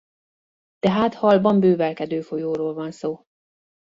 Tehát halban bővelkedő folyóról van szó.